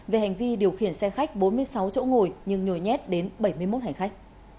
về hành vi điều khiển xe khách bốn mươi sáu chỗ ngồi nhưng nhồi nhét đến bảy mươi một hành khách